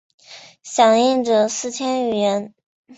响应者四千余人。